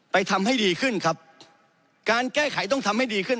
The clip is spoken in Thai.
ทำให้ดีขึ้นครับการแก้ไขต้องทำให้ดีขึ้น